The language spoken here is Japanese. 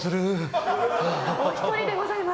お一人でございます。